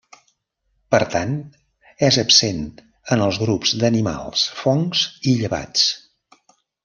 Per tant, és absent en els grups d'animals, fongs i llevats.